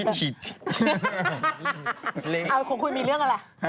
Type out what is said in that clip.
คุณคุยมีเรื่องอะไร